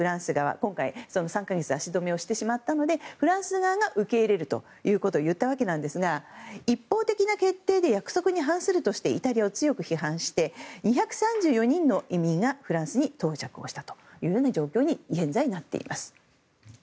今回３か月足止めしてしまったのでフランス側が受け入れるということをいったわけなんですが一方的な決定で約束に反するとしてイタリアを強く批判して２３４人の移民がフランスに到着をしたというような状況に現在、なっています。